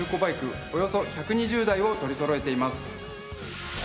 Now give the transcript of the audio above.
およそ１２０台を取りそろえています。